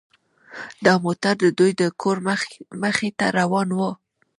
دا موټر د دوی د کور مخې ته روان و